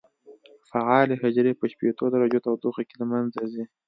فعالې حجرې په شپېتو درجو تودوخه کې له منځه ځي.